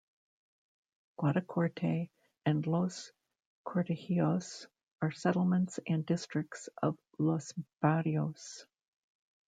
Guadacorte and Los Cortijillos are settlements and districts of Los Barrios.